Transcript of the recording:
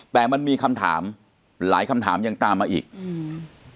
แต่มันมีคำถามหลายคำถามยังตามมาอีกอืม